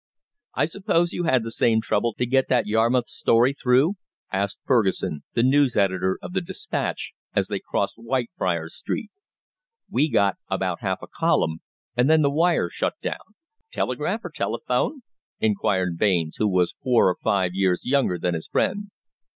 "I suppose you had the same trouble to get that Yarmouth story through?" asked Fergusson, the news editor of the "Dispatch," as they crossed Whitefriars Street. "We got about half a column, and then the wire shut down." "Telegraph or telephone?" inquired Baines, who was four or five years younger than his friend.